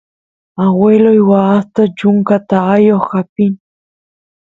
aguelay waasta chunka taayoq apin